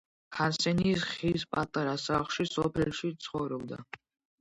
ჰანსენი ხის პატარა სახლში სოფელში ცხოვრობდა.